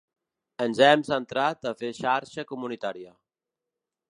Ens hem centrat a fer xarxa comunitària.